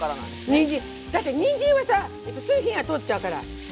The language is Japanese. にんじんだってにんじんはさすぐ火が通っちゃうから。